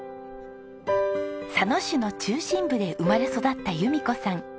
佐野市の中心部で生まれ育った由美子さん。